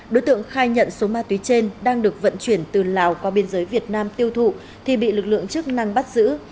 đối tượng khai nhận số ma túy trên đang được vận chuyển từ lào qua biên giới việt nam tiêu thụ thì bị lực lượng chức năng bắt giữ